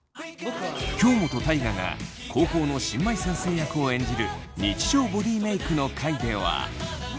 京本大我が高校の新米先生役を演じる日常ボディメイクの回では。